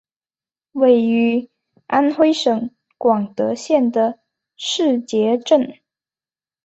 位于安徽省广德县的誓节镇。